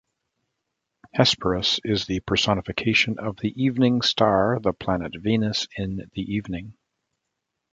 Hesperus is the personification of the "evening star", the planet Venus in the evening.